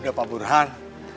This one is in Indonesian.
udah pak burhan